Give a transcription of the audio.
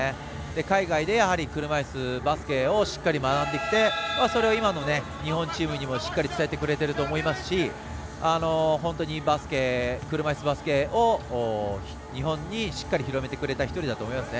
海外で車いすバスケをしっかり学んできてそれを今の日本チームにしっかり伝えてくれていると思いますし本当に車いすバスケを日本に、しっかり広めてくれた１人だと思いますね。